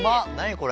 これ。